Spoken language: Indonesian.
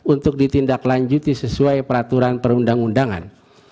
untuk ditindaklanjuti sesuai peraturan perundang undangan